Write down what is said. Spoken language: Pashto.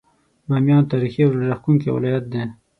باميان تاريخي او زړه راښکونکی ولايت دی.